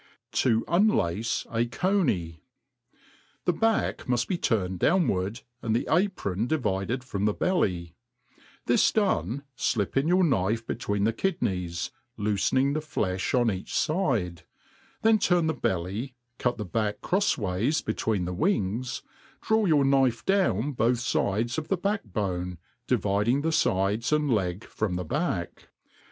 351 To unldce a, Coney^* THE back muft be turned downward, and the apron di vided from the belly ; this done, flip in your knife between the kidneys, loofening the flefli on each fide ; then turn the belly, cut the back cfofs ways between the wings, draw your knife down both fides of the back bone, dividing the fides and leg from the back.